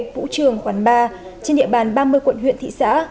vũ trường quán bar trên địa bàn ba mươi quận huyện thị xã